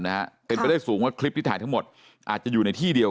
นะฮะเป็นไปได้สูงว่าคลิปที่ถ่ายทั้งหมดอาจจะอยู่ในที่เดียว